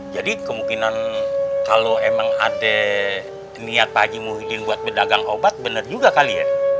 jadi kemungkinan kalau emang ada niat pak haji muhyiddin buat berdagang obat bener juga kali ya